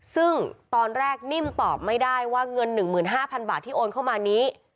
ซึ่งตอนแรกนิ่มตอบไม่ได้ว่าเงิน๑๕๐๐๐บาทที่โอนเข้ามานี้